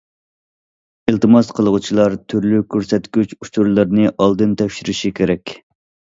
ئىلتىماس قىلغۇچىلار تۈرلۈك كۆرسەتكۈچ ئۇچۇرلىرىنى ئالدىن تەكشۈرۈشى كېرەك.